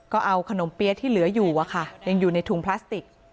ก็เอาขนมเปี๊ยะที่เหลืออยู่อะค่ะยังอยู่ในถุงพลาสติก